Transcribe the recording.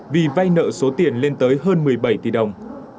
vì vay nợ số tiền lên tới hơn một mươi bảy tỷ đồng